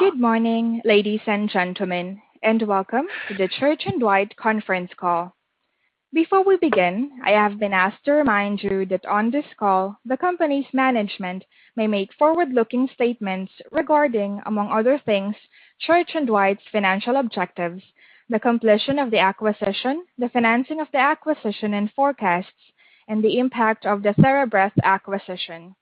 Good morning, ladies and gentlemen, and welcome to the Church & Dwight conference call. Before we begin, I have been asked to remind you that on this call, the company's management may make forward-looking statements regarding, among other things, Church & Dwight's financial objectives, the completion of the acquisition, the financing of the acquisition and forecasts, and the impact of the TheraBreath acquisition.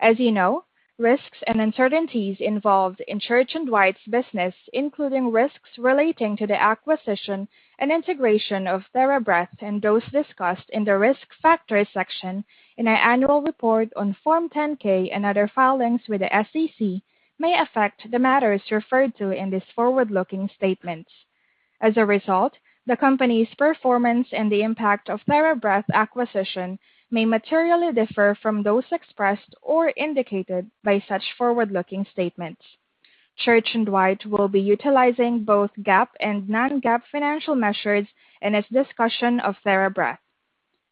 As you know, risks and uncertainties involved in Church & Dwight's business, including risks relating to the acquisition and integration of TheraBreath and those discussed in the Risk Factors section in our annual report on Form 10-K and other filings with the SEC, may affect the matters referred to in these forward-looking statements. As a result, the company's performance and the impact of TheraBreath acquisition may materially differ from those expressed or indicated by such forward-looking statements. Church & Dwight will be utilizing both GAAP and non-GAAP financial measures in its discussion of TheraBreath.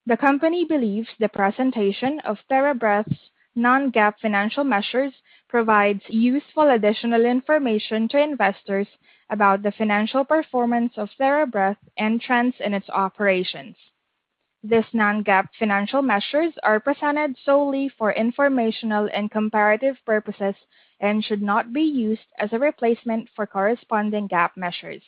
The company believes the presentation of TheraBreath's non-GAAP financial measures provides useful additional information to investors about the financial performance of TheraBreath and trends in its operations. These non-GAAP financial measures are presented solely for informational and comparative purposes and should not be used as a replacement for corresponding GAAP measures.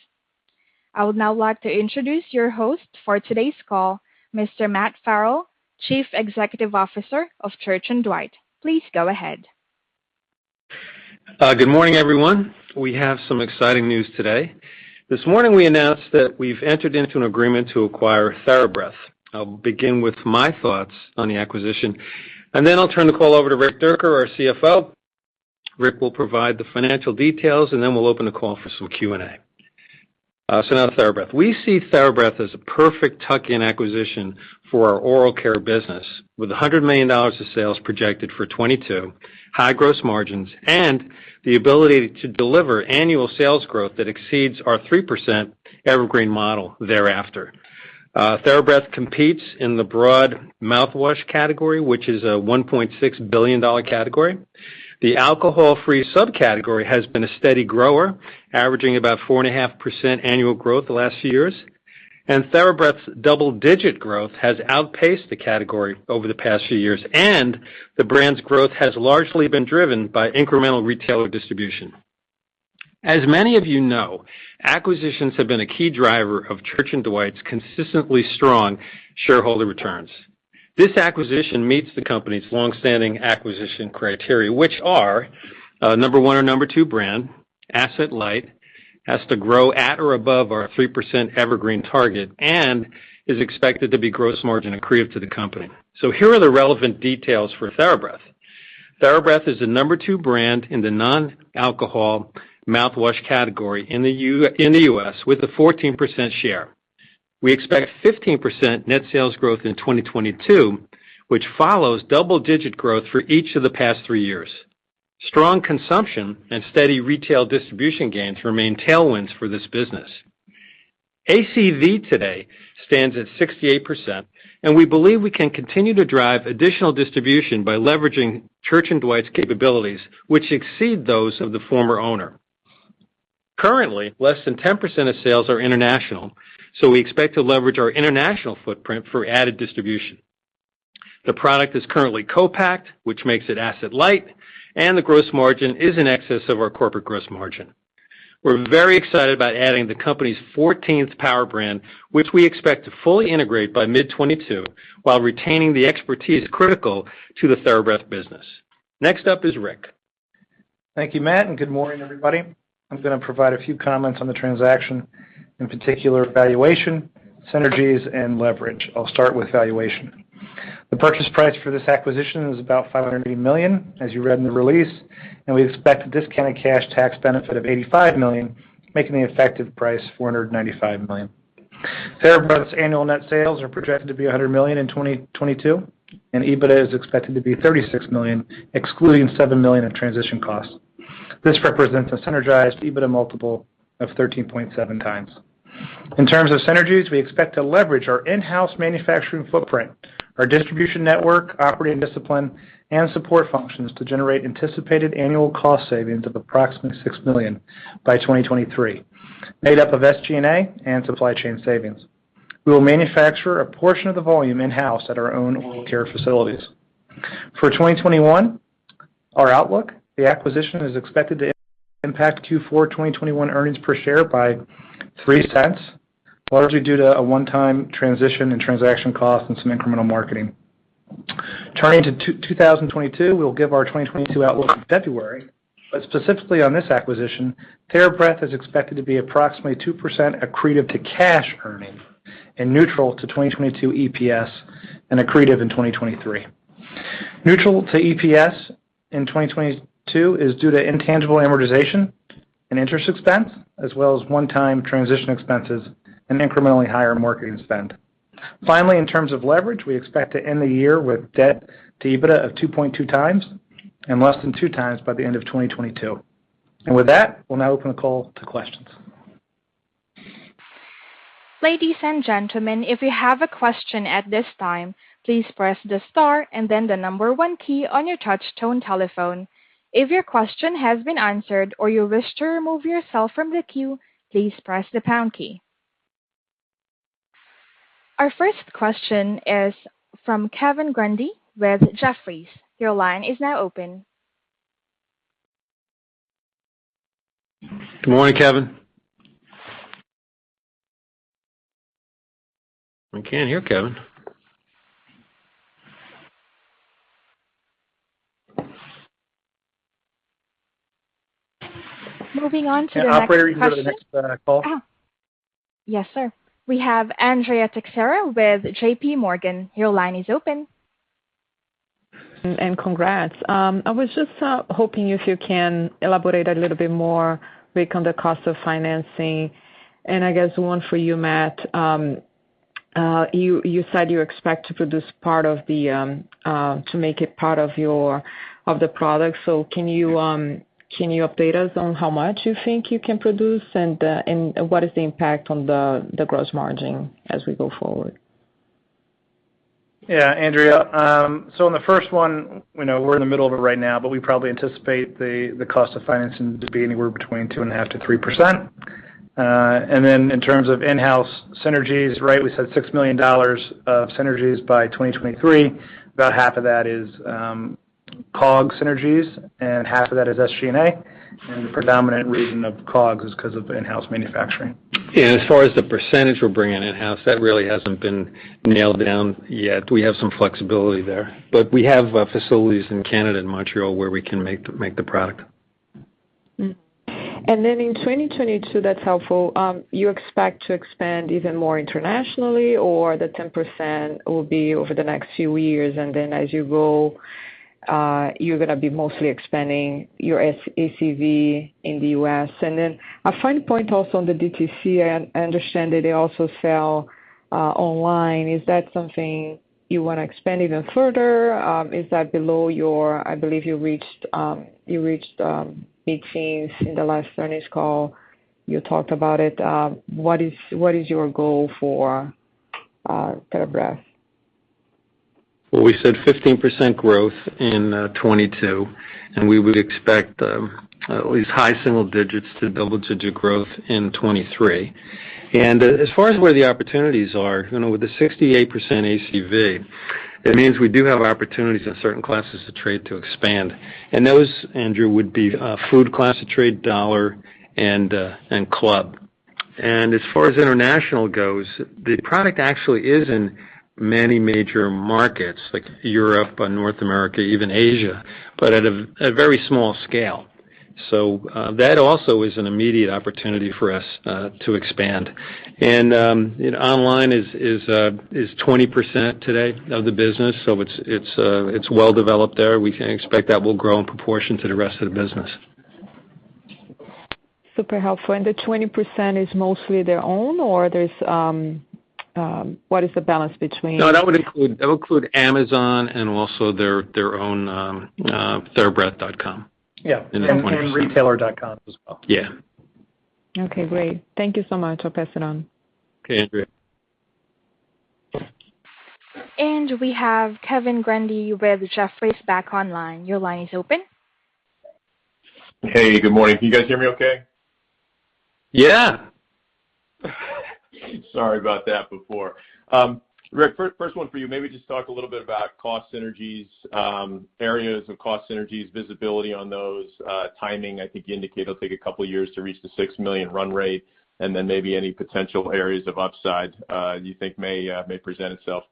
I would now like to introduce your host for today's call, Mr. Matt Farrell, Chief Executive Officer of Church & Dwight. Please go ahead. Good morning, everyone. We have some exciting news today. This morning, we announced that we've entered into an agreement to acquire TheraBreath. I'll begin with my thoughts on the acquisition, and then I'll turn the call over to Rick Dierker, our CFO. Rick will provide the financial details, and then we'll open the call for some Q&A. Now TheraBreath. We see TheraBreath as a perfect tuck-in acquisition for our oral care business with $100 million of sales projected for 2022, high gross margins, and the ability to deliver annual sales growth that exceeds our 3% evergreen model thereafter. TheraBreath competes in the broad mouthwash category, which is a $1.6 billion category. The alcohol-free subcategory has been a steady grower, averaging about 4.5% annual growth the last few years. TheraBreath's double-digit growth has outpaced the category over the past few years, and the brand's growth has largely been driven by incremental retailer distribution. As many of you know, acquisitions have been a key driver of Church & Dwight's consistently strong shareholder returns. This acquisition meets the company's long-standing acquisition criteria, which are number one or number two brand, asset light, has to grow at or above our 3% evergreen target, and is expected to be gross margin accretive to the company. Here are the relevant details for TheraBreath. TheraBreath is the number two brand in the non-alcohol mouthwash category in the U.S. with a 14% share. We expect 15% net sales growth in 2022, which follows double-digit growth for each of the past three years. Strong consumption and steady retail distribution gains remain tailwinds for this business. ACV today stands at 68%, and we believe we can continue to drive additional distribution by leveraging Church & Dwight's capabilities, which exceed those of the former owner. Currently, less than 10% of sales are international, so we expect to leverage our international footprint for added distribution. The product is currently co-packed, which makes it asset light, and the gross margin is in excess of our corporate gross margin. We're very excited about adding the company's 14th power brand, which we expect to fully integrate by mid-2022 while retaining the expertise critical to the TheraBreath business. Next up is Rick. Thank you, Matt, and good morning, everybody. I'm gonna provide a few comments on the transaction, in particular valuation, synergies, and leverage. I'll start with valuation. The purchase price for this acquisition is about $580 million, as you read in the release, and we expect a discounted cash tax benefit of $85 million, making the effective price $495 million. TheraBreath's annual net sales are projected to be $100 million in 2022, and EBITDA is expected to be $36 million, excluding $7 million in transition costs. This represents a synergized EBITDA multiple of 13.7x. In terms of synergies, we expect to leverage our in-house manufacturing footprint, our distribution network, operating discipline, and support functions to generate anticipated annual cost savings of approximately $6 million by 2023, made up of SG&A and supply chain savings. We will manufacture a portion of the volume in-house at our own oral care facilities. For 2021, our outlook, the acquisition is expected to impact Q4 of 2021 earnings per share by $0.03, largely due to a one-time transition and transaction cost and some incremental marketing. Turning to 2022, we'll give our 2022 outlook in February. Specifically on this acquisition, TheraBreath is expected to be approximately 2% accretive to cash earnings and neutral to 2022 EPS and accretive in 2023. Neutral to EPS in 2022 is due to intangible amortization and interest expense, as well as one-time transition expenses and incrementally higher marketing spend. Finally, in terms of leverage, we expect to end the year with debt-to-EBITDA of 2.2x and less than 2x by the end of 2022. With that, we'll now open the call to questions. Ladies and gentlemen, if you have a question at this time, please press the star and then the number one key on your touchtone telephone. If your question has been answered or you wish to remove yourself from the queue, please press the pound key. Our first question is from Kevin Grundy with Jefferies. Your line is now open. Good morning, Kevin. I can't hear Kevin. Moving on to the next question. Yeah, operator, you can go to the next call. Oh. Yes, sir. We have Andrea Teixeira with J.P. Morgan. Your line is open. Congrats. I was just hoping if you can elaborate a little bit more, Rick, on the cost of financing. I guess one for you, Matt, you said you expect to produce part of the to make it part of your of the product. Can you update us on how much you think you can produce and what is the impact on the gross margin as we go forward? Yeah. Andrea, so on the first one, you know, we're in the middle of it right now, but we probably anticipate the cost of financing to be anywhere between 2.5%-3%. And then in terms of in-house synergies, right, we said $6 million of synergies by 2023. About half of that is COGS synergies and half of that is SG&A. The predominant reason of COGS is 'cause of the in-house manufacturing. As far as the percentage we're bringing in-house, that really hasn't been nailed down yet. We have some flexibility there. We have facilities in Canada and Montreal, where we can make the product. In 2022, that's helpful. You expect to expand even more internationally or the 10% will be over the next few years, and then as you go, you're gonna be mostly expanding your ACV in the U.S.? A fine point also on the DTC. I understand that they also sell online. Is that something you wanna expand even further? Is that below your? I believe you reached 18 in the last earnings call. You talked about it. What is your goal for TheraBreath? Well, we said 15% growth in 2022, and we would expect at least high single digits to double-digit growth in 2023. As far as where the opportunities are, you know, with the 68% ACV, it means we do have opportunities in certain classes of trade to expand. Those, Andrea, would be food class of trade, dollar, and club. As far as international goes, the product actually is in many major markets like Europe or North America, even Asia, but at a very small scale. That also is an immediate opportunity for us to expand. Online is 20% today of the business, so it's well-developed there. We can expect that will grow in proportion to the rest of the business. Super helpful. The 20% is mostly their own or there's. What is the balance between- No, that would include Amazon and also their own therabreath.com. Yeah. In the 20%. retailer.com as well. Yeah. Okay, great. Thank you so much. I'll pass it on. Okay, Andrea. We have Kevin Grundy with Jefferies back online. Your line is open. Hey, good morning. Can you guys hear me okay? Yeah. Sorry about that before. Rick, first one for you, maybe just talk a little bit about cost synergies, areas of cost synergies, visibility on those, timing. I think you indicated it'll take a couple years to reach the $6 million run rate, and then maybe any potential areas of upside you think may present itself.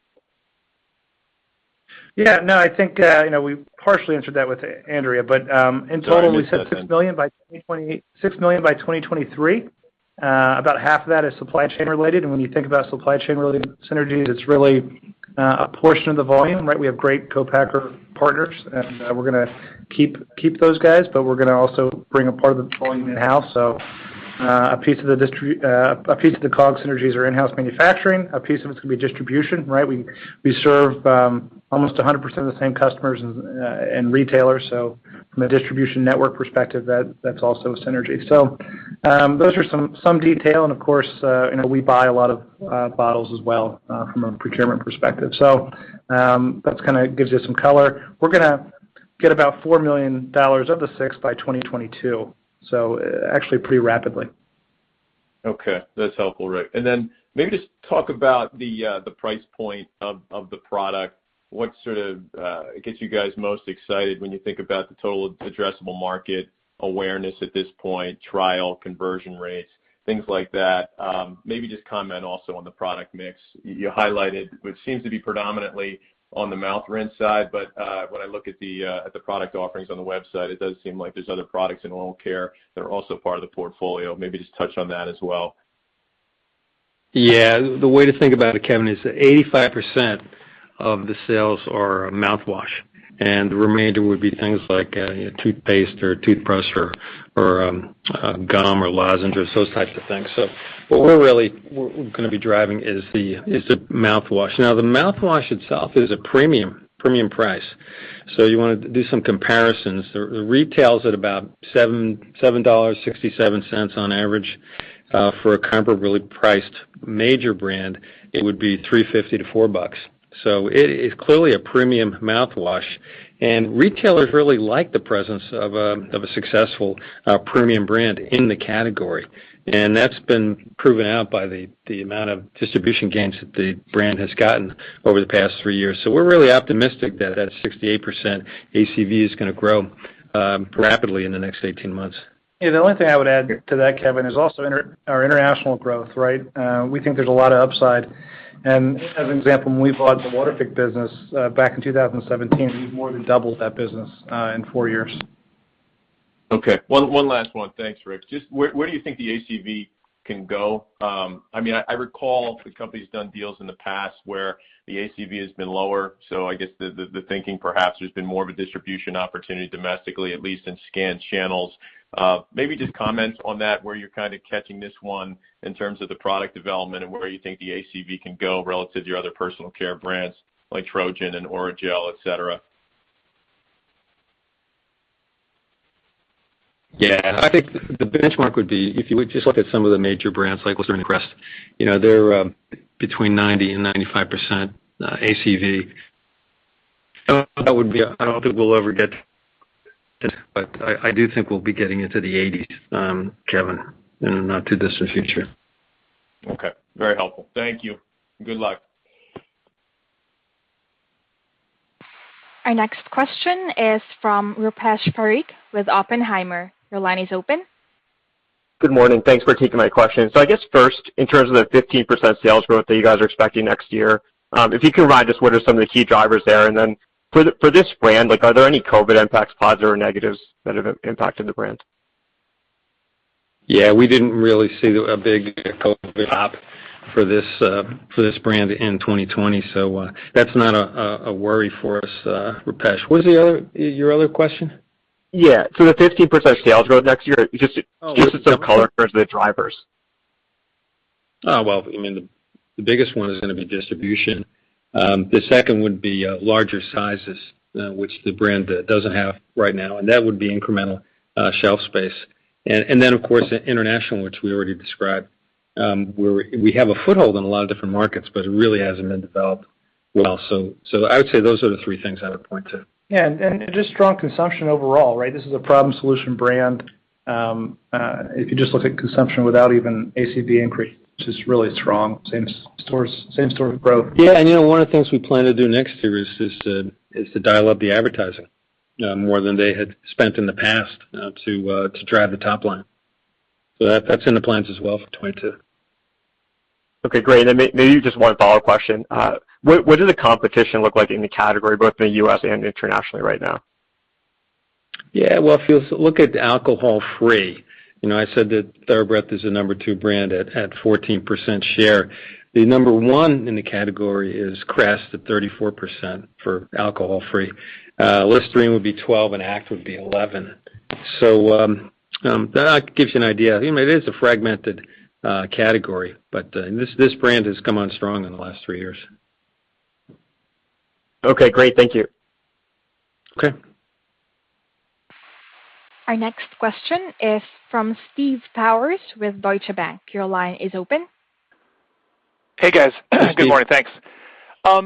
Yeah. No, I think, you know, we partially answered that with Andrea. In total- Sorry, I missed that then. We said $6 million by 2023. About half of that is supply chain related. When you think about supply chain related synergies, it's really a portion of the volume, right? We have great co-packer partners, and we're gonna keep those guys, but we're gonna also bring a part of the volume in-house. A piece of the COGS synergies are in-house manufacturing. A piece of it's gonna be distribution, right? We serve almost 100% of the same customers and retailers. From a distribution network perspective, that's also a synergy. Those are some detail. Of course, you know, we buy a lot of bottles as well from a procurement perspective. That kinda gives you some color. We're gonna get about $4 million of the six by 2022, actually pretty rapidly. Okay. That's helpful, Rick. Maybe just talk about the price point of the product. What sort of gets you guys most excited when you think about the total addressable market awareness at this point, trial, conversion rates, things like that. Maybe just comment also on the product mix. You highlighted, which seems to be predominantly on the mouth rinse side. When I look at the product offerings on the website, it does seem like there's other products in oral care that are also part of the portfolio. Maybe just touch on that as well. Yeah. The way to think about it, Kevin, is that 85% of the sales are mouthwash, and the remainder would be things like toothpaste or toothbrush or a gum or lozenges, those types of things. What we're really driving is the mouthwash. Now, the mouthwash itself is a premium price. You want to do some comparisons. The retail's at about $7.67 on average. For a comparably priced major brand, it would be $3.50-$4. It is clearly a premium mouthwash. Retailers really like the presence of a successful premium brand in the category. That's been proven out by the amount of distribution gains that the brand has gotten over the past three years. We're really optimistic that that 68% ACV is gonna grow rapidly in the next 18 months. Yeah, the only thing I would add to that, Kevin, is also our international growth, right? We think there's a lot of upside. As an example, when we bought the Waterpik business back in 2017, we've more than doubled that business in four years. Okay. One last one. Thanks, Rick. Just where do you think the ACV can go? I mean, I recall the company's done deals in the past where the ACV has been lower, so I guess the thinking perhaps there's been more of a distribution opportunity domestically, at least in scanned channels. Maybe just comment on that, where you're kind of catching this one in terms of the product development and where you think the ACV can go relative to your other personal care brands like Trojan and Orajel, et cetera. Yeah. I think the benchmark would be if you would just look at some of the major brands like Listerine, Crest, you know, they're between 90%-95% ACV. That would be. I don't think we'll ever get to that, but I do think we'll be getting into the 80s, Kevin, in the not too distant future. Okay. Very helpful. Thank you. Good luck. Our next question is from Rupesh Parikh with Oppenheimer. Your line is open. Good morning. Thanks for taking my question. I guess first, in terms of the 15% sales growth that you guys are expecting next year, if you could provide just what are some of the key drivers there. For this brand, like, are there any COVID impacts, positives or negatives that have impacted the brand? Yeah, we didn't really see a big COVID drop for this brand in 2020, so that's not a worry for us, Rupesh. What was your other question? Yeah. The 15% sales growth next year, just- Oh Give us some color for the drivers. Oh, well, I mean, the biggest one is gonna be distribution. The second would be larger sizes, which the brand doesn't have right now, and that would be incremental shelf space. Then, of course, international, which we already described, where we have a foothold in a lot of different markets, but it really hasn't been developed well. I would say those are the three things I would point to. Yeah. Just strong consumption overall, right? This is a problem solution brand. If you just look at consumption without even ACV increase, just really strong, same stores, same store growth. Yeah, you know, one of the things we plan to do next year is to dial up the advertising more than they had spent in the past to drive the top line. That's in the plans as well for 2022. Okay, great. Maybe just one follow-up question. What does the competition look like in the category, both in the U.S. and internationally right now? Yeah. Well, if you look at alcohol-free, you know, I said that TheraBreath is the number two brand at 14% share. The number one in the category is Crest at 34% for alcohol-free. Listerine would be 12%, and ACT would be 11%. So, that gives you an idea. You know, it is a fragmented category, but this brand has come on strong in the last three years. Okay, great. Thank you. Okay. Our next question is from Steve Powers with Deutsche Bank. Your line is open. Hey, guys. Steve. Good morning. Thanks.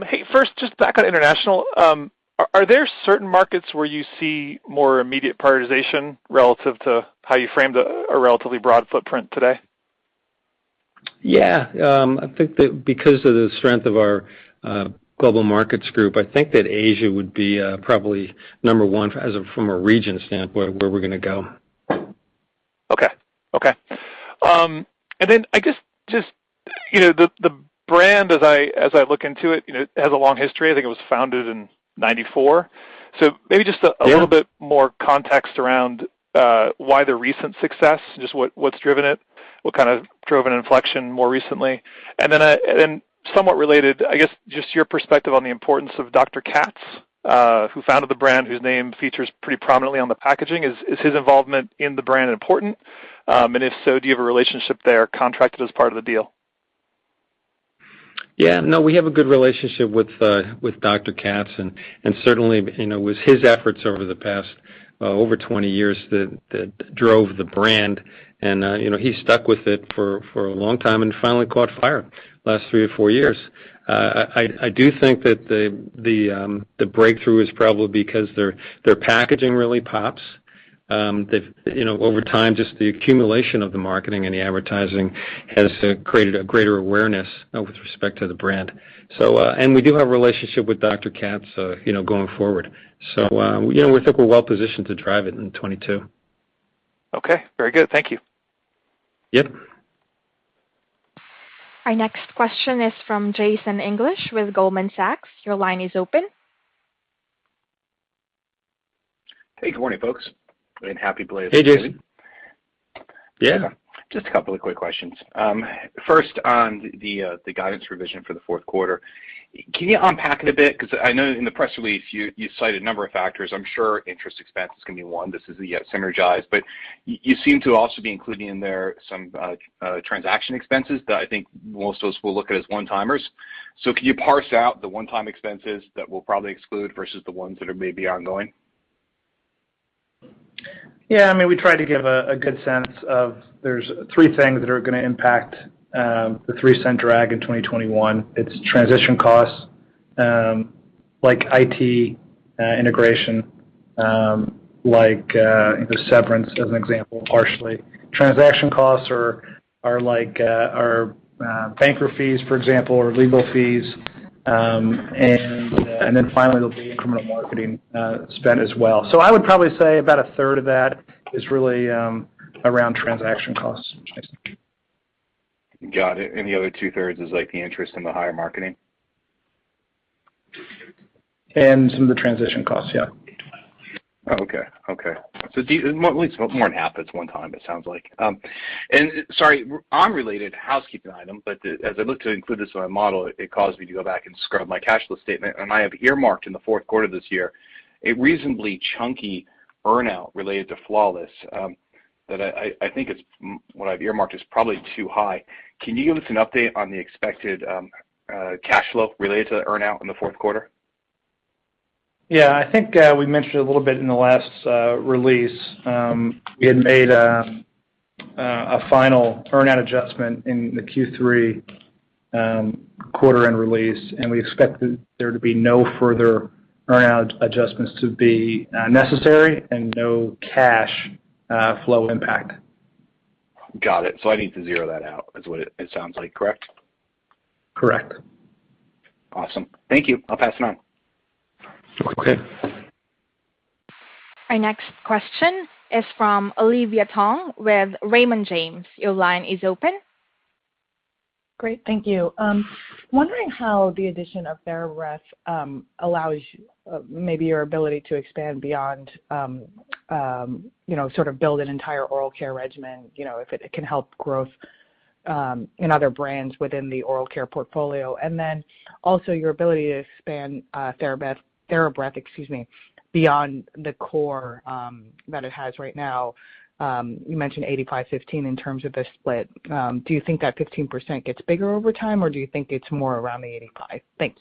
Hey, first, just back on international. Are there certain markets where you see more immediate prioritization relative to how you framed a relatively broad footprint today? Yeah. I think that because of the strength of our global markets group, I think that Asia would be probably number one from a region standpoint where we're gonna go. Okay. I guess just, you know, the brand as I look into it, you know, it has a long history. I think it was founded in 1994. Maybe just a. Yeah. A little bit more context around why the recent success, just what's driven it, what kind of drove an inflection more recently. Somewhat related, I guess, just your perspective on the importance of Dr. Katz, who founded the brand, whose name features pretty prominently on the packaging. Is his involvement in the brand important? If so, do you have a relationship there contracted as part of the deal? Yeah. No, we have a good relationship with Dr. Katz and certainly, you know, it was his efforts over the past 20 years that drove the brand. You know, he stuck with it for a long time and finally caught fire last three or four years. I do think that the breakthrough is probably because their packaging really pops. They've. You know, over time, just the accumulation of the marketing and the advertising has created a greater awareness with respect to the brand. We do have a relationship with Dr. Katz, you know, going forward. You know, we think we're well positioned to drive it in 2022. Okay. Very good. Thank you. Yep. Our next question is from Jason English with Goldman Sachs. Your line is open. Hey, good morning, folks, and happy. Hey, Jason. Yeah. Just a couple of quick questions. First on the guidance revision for the fourth quarter. Can you unpack it a bit? 'Cause I know in the press release you cite a number of factors. I'm sure interest expense is gonna be one. This is the synergies. But you seem to also be including in there some transaction expenses that I think most of us will look at as one-timers. Can you parse out the one-time expenses that we'll probably exclude versus the ones that are maybe ongoing? Yeah, I mean, we tried to give a good sense of there's three things that are gonna impact the $0.03 Drag in 2021. It's transition costs, like IT integration, like the severance as an example, partially. Transaction costs are like banker fees, for example, or legal fees. And then finally, there'll be incremental marketing spend as well. I would probably say about 1/3 of that is really around transaction costs, Jason. Got it. The other 2/3 is like the interest and the higher marketing? Some of the transition costs, yeah. Okay. At least more than half, it's one time it sounds like. Sorry, unrelated housekeeping item, but as I looked to include this in my model, it caused me to go back and scrub my cash flow statement, and I have earmarked in the fourth quarter this year a reasonably chunky earn-out related to Flawless that I think what I've earmarked is probably too high. Can you give us an update on the expected cash flow related to the earn-out in the fourth quarter? Yeah, I think we mentioned a little bit in the last release. We had made a final earn-out adjustment in the Q3 quarter-end release, and we expect there to be no further earn-out adjustments to be necessary and no cash flow impact. Got it. I need to zero that out is what it sounds like, correct? Correct. Awesome. Thank you. I'll pass it on. Okay. Our next question is from Olivia Tong with Raymond James. Your line is open. Great. Thank you. Wondering how the addition of TheraBreath allows maybe your ability to expand beyond you know sort of build an entire oral care regimen you know if it can help growth in other brands within the oral care portfolio. Also your ability to expand TheraBreath beyond the core that it has right now. You mentioned 85/15 in terms of the split. Do you think that 15% gets bigger over time or do you think it's more around the 85%? Thanks.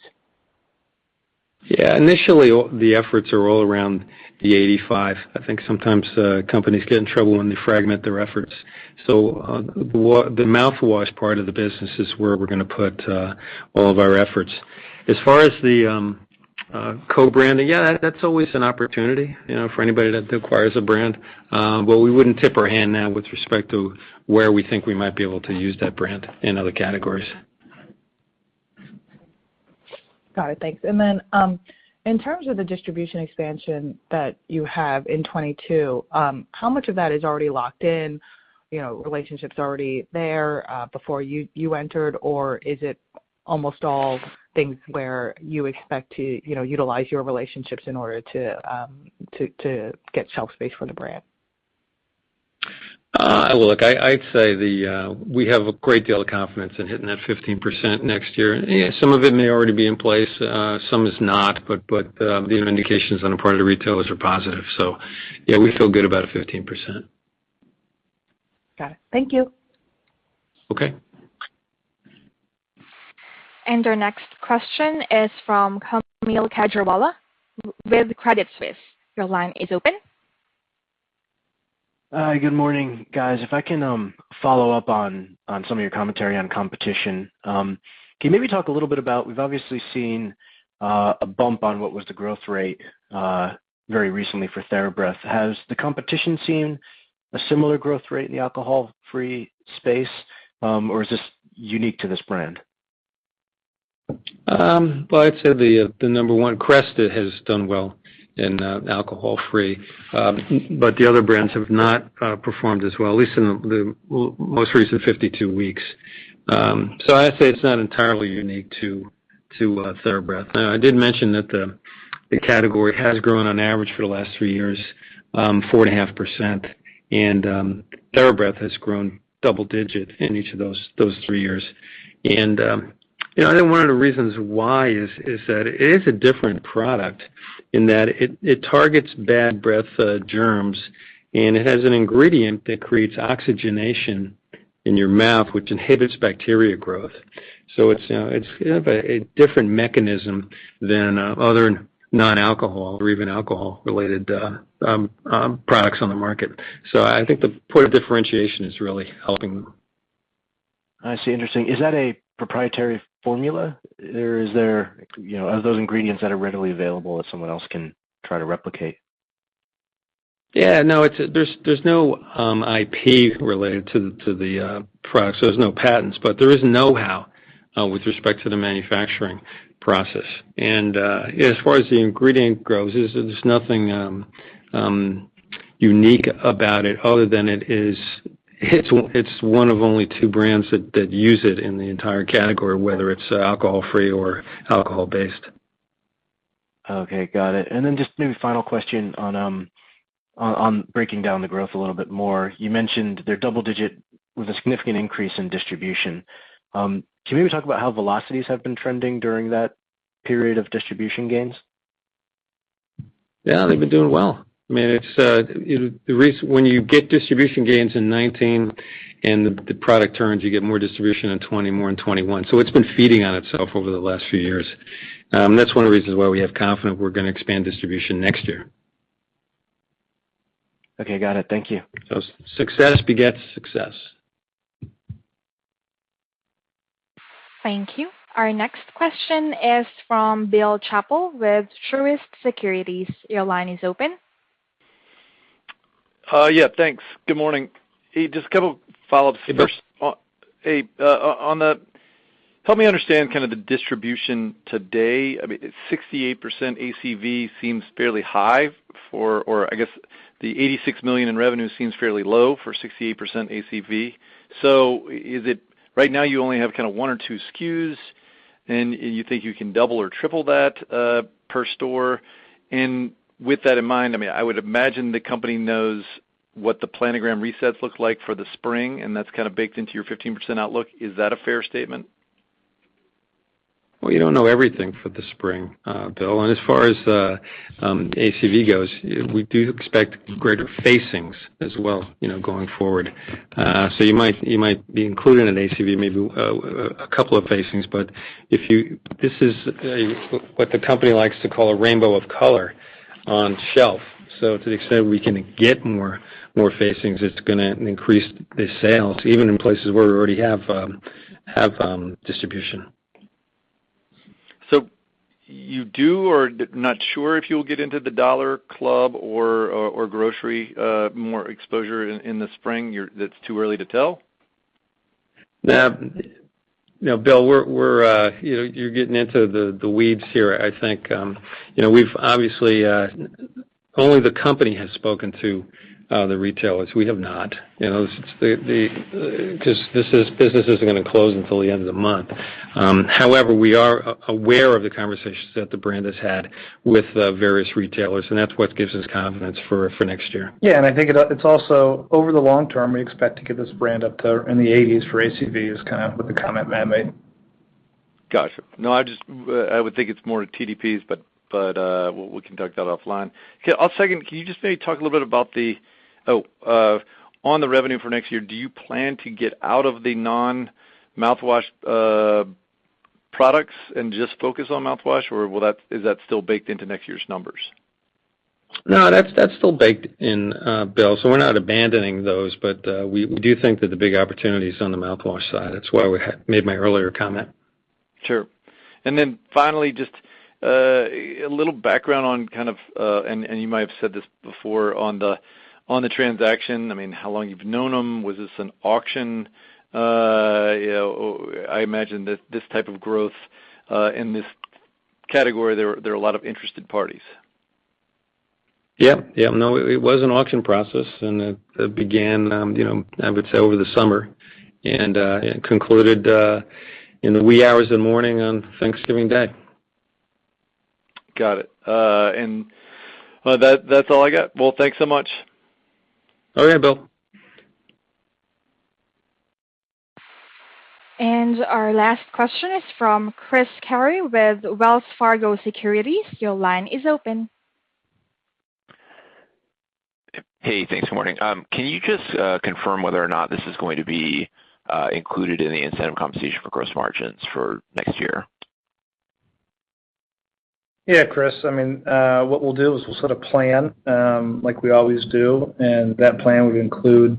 Yeah. Initially, the efforts are all around the 85%. I think sometimes companies get in trouble when they fragment their efforts. The mouthwash part of the business is where we're gonna put all of our efforts. As far as the co-branding, yeah, that's always an opportunity, you know, for anybody that acquires a brand. We wouldn't tip our hand now with respect to where we think we might be able to use that brand in other categories. Got it. Thanks. In terms of the distribution expansion that you have in 2022, how much of that is already locked in, you know, relationships already there, before you entered? Or is it almost all things where you expect to, you know, utilize your relationships in order to get shelf space for the brand? Look, I'd say we have a great deal of confidence in hitting that 15% next year. Yeah, some of it may already be in place, some is not, but the indications on the part of the retailers are positive. Yeah, we feel good about 15%. Got it. Thank you. Okay. Our next question is from Kaumil Gajrawala with Credit Suisse. Your line is open. Good morning, guys. If I can follow up on some of your commentary on competition. Can you maybe talk a little bit about, we've obviously seen a bump on what was the growth rate very recently for TheraBreath. Has the competition seen a similar growth rate in the alcohol-free space, or is this unique to this brand? Well, I'd say the number one, Crest, it has done well in alcohol-free. But the other brands have not performed as well, at least in the most recent 52 weeks. So I'd say it's not entirely unique to TheraBreath. Now, I did mention that the category has grown on average for the last three years, 4.5%. TheraBreath has grown double digit in each of those three years. You know, I think one of the reasons why is that it is a different product in that it targets bad breath germs, and it has an ingredient that creates oxygenation in your mouth, which inhibits bacteria growth. It's, you know, it's kind of a different mechanism than other non-alcohol or even alcohol-related products on the market. I think the point of differentiation is really helping. I see. Interesting. Is that a proprietary formula or is there, you know, are those ingredients that are readily available that someone else can try to replicate? Yeah, no, it's there's no IP related to the product, so there's no patents, but there is know-how with respect to the manufacturing process. As far as the ingredient goes, there's nothing unique about it other than it's one of only two brands that use it in the entire category, whether it's alcohol-free or alcohol-based. Okay, got it. Just maybe final question on breaking down the growth a little bit more. You mentioned they're double digit with a significant increase in distribution. Can you maybe talk about how velocities have been trending during that period of distribution gains? Yeah, they've been doing well. I mean, it's when you get distribution gains in 2019 and the product turns, you get more distribution in 2020, more in 2021. It's been feeding on itself over the last few years. That's one of the reasons why we're confident we're gonna expand distribution next year. Okay, got it. Thank you. Success begets success. Thank you. Our next question is from Bill Chappell with Truist Securities. Your line is open. Yeah, thanks. Good morning. Hey, just a couple follow-ups here. Hey, Bill. Help me understand kind of the distribution today. I mean, 68% ACV seems fairly high for or I guess the $86 million in revenue seems fairly low for 68% ACV. Is it right now you only have kinda one or two SKUs, and you think you can double or triple that per store? With that in mind, I mean, I would imagine the company knows what the planogram resets look like for the spring, and that's kinda baked into your 15% outlook. Is that a fair statement? Well, you don't know everything for the spring, Bill. As far as ACV goes, we do expect greater facings as well, you know, going forward. So you might be including an ACV, maybe a couple of facings. But this is what the company likes to call a rainbow of color on shelf. To the extent we can get more facings, it's gonna increase the sales, even in places where we already have distribution. You're not sure if you'll get into the dollar, club or grocery more exposure in the spring? That's too early to tell. Now, you know, Bill, you're getting into the weeds here, I think. You know, we've obviously only the company has spoken to the retailers. We have not, you know. Business isn't gonna close until the end of the month. However, we are aware of the conversations that the brand has had with various retailers, and that's what gives us confidence for next year. I think it's also, over the long term, we expect to get this brand up to in the 80s for ACV, in line with the comment Matt made. Gotcha. No, I would think it's more TDPs, but we can talk that offline. Okay, I'll second. Can you just maybe talk a little bit about the revenue for next year? Do you plan to get out of the non-mouthwash products and just focus on mouthwash? Or will that? Is that still baked into next year's numbers? No, that's still baked in, Bill, so we're not abandoning those. We do think that the big opportunity is on the mouthwash side. That's why we had made my earlier comment. Sure. Finally, just a little background on kind of and you might have said this before on the transaction. I mean, how long you've known them? Was this an auction? You know, I imagine that this type of growth in this category there are a lot of interested parties. Yeah. No, it was an auction process, and it began, you know, I would say over the summer. It concluded in the wee hours of the morning on Thanksgiving Day. Got it. Well, that's all I got. Well, thanks so much. Okay, Bill. Our last question is from Chris Carey with Wells Fargo Securities. Your line is open. Hey, thanks. Good morning. Can you just confirm whether or not this is going to be included in the incentive compensation for gross margins for next year? Yeah, Chris. I mean, what we'll do is we'll set a plan, like we always do, and that plan would include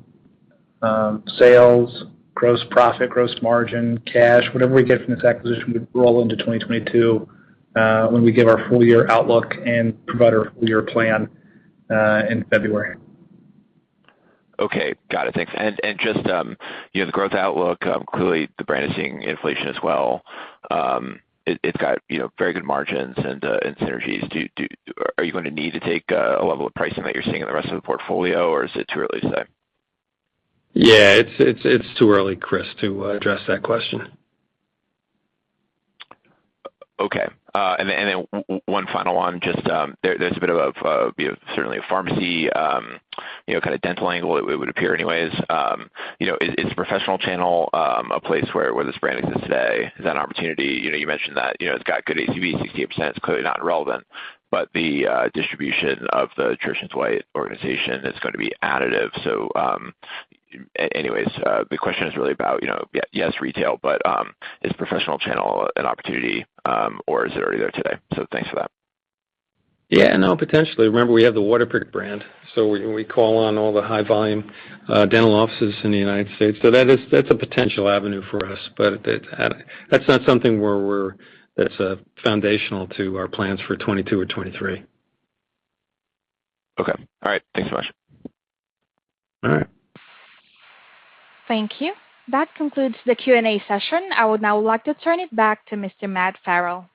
sales, gross profit, gross margin, cash. Whatever we get from this acquisition, we roll into 2022, when we give our full year outlook and provide our full year plan, in February. Okay. Got it. Thanks. Just, you know, the growth outlook, clearly the brand is seeing inflation as well. It's got, you know, very good margins and synergies. Are you gonna need to take a level of pricing that you're seeing in the rest of the portfolio, or is it too early to say? Yeah. It's too early, Chris, to address that question. Okay. Then one final one. Just, there's a bit of, you know, certainly a pharmacy, you know, kind of dental angle, it would appear anyway. You know, is professional channel a place where this brand exists today? Is that an opportunity? You know, you mentioned that, you know, it's got good ACV, 68%, it's clearly not irrelevant, but the distribution of the TheraBreath organization is gonna be additive. Anyway, the question is really about, you know, yes, retail, but is professional channel an opportunity or is it already there today? Thanks for that. Yeah, no, potentially. Remember, we have the Waterpik brand, so we call on all the high volume dental offices in the United States. That is a potential avenue for us. That's not something that's foundational to our plans for 2022 or 2023. Okay. All right. Thanks so much. All right. Thank you. That concludes the Q&A session. I would now like to turn it back to Mr. Matt Farrell.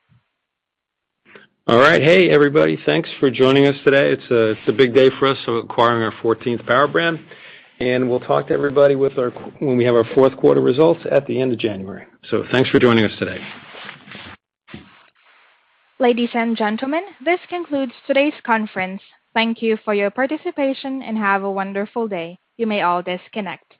All right. Hey, everybody. Thanks for joining us today. It's a big day for us, so acquiring our fourteenth power brand. We'll talk to everybody when we have our fourth quarter results at the end of January. Thanks for joining us today. Ladies and gentlemen, this concludes today's conference. Thank you for your participation, and have a wonderful day. You may all disconnect.